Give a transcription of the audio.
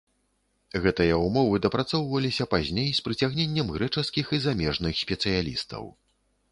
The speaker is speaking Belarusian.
Гэтыя ўмовы дапрацоўваліся пазней з прыцягненнем грэчаскіх і замежных спецыялістаў.